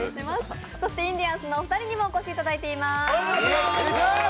そして、インディアンスのお二人にもお越しいただいてます。